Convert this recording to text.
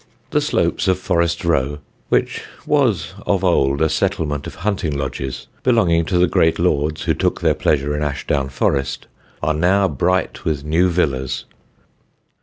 The slopes of Forest Row, which was of old a settlement of hunting lodges belonging to the great lords who took their pleasure in Ashdown Forest, are now bright with new villas.